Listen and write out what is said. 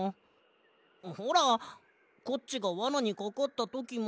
ほらコッチがわなにかかったときも。